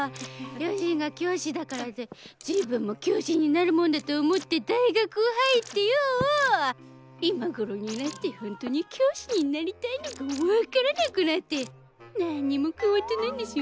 両親が教師だからって自分も教師になるもんだと思って大学入ってよぉ今頃になってほんとに教師になりたいのか分からなくなって何にも変わってないんですよ